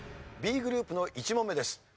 Ｂグループの１問目です。